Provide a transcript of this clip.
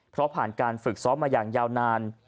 เพราะผ่านการฝึกซ้อมมาอย่างยาวนาน